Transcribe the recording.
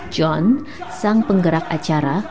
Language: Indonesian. john sang penggerak acara